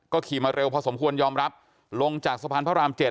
ขี่มาเร็วพอสมควรยอมรับลงจากสะพานพระราม๗